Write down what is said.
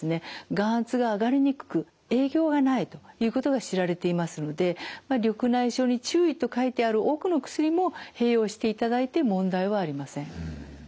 眼圧が上がりにくく影響がないということが知られていますので「緑内障に注意」と書いてある多くの薬も併用していただいて問題はありません。